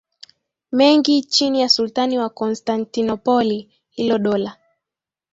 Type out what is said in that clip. mengi chini ya Sultani wa Konstantinopoli Hilo dola